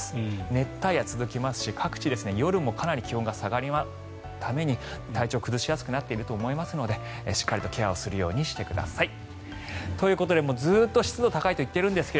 熱帯夜が続きますし各地、夜もかなり気温が下がらないために体調を崩しやすくなっていると思いますのでしっかりとケアをするようにしてください。ということで、ずっと湿度が高いと言っているんですが